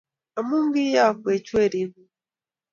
Amu ki'yokwech We-ring'ung',